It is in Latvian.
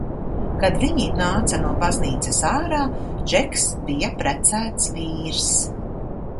Kad viņi nāca no baznīcas ārā, Džeks bija precēts vīrs.